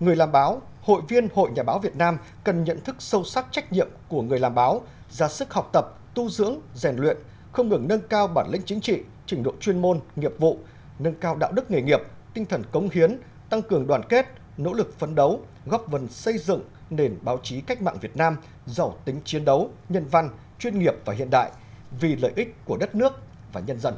người làm báo hội viên hội nhà báo việt nam cần nhận thức sâu sắc trách nhiệm của người làm báo ra sức học tập tu dưỡng rèn luyện không ngừng nâng cao bản lĩnh chính trị trình độ chuyên môn nghiệp vụ nâng cao đạo đức nghề nghiệp tinh thần công hiến tăng cường đoàn kết nỗ lực phấn đấu góp vần xây dựng nền báo chí cách mạng việt nam giàu tính chiến đấu nhân văn chuyên nghiệp và hiện đại vì lợi ích của đất nước và nhân dân